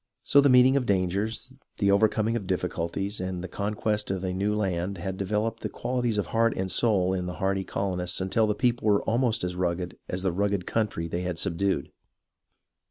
So the meeting of dangers, the overcoming of difficulties, and the conquest of a new land had developed the qualities of heart and soul in the hardy colonists until the people were almost as rugged as the rugged country they had subdued.